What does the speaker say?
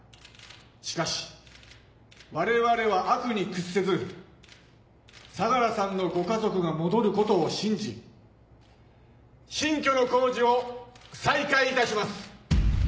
しかし我々は悪に屈せず相良さんのご家族が戻ることを信じ新居の工事を再開いたします！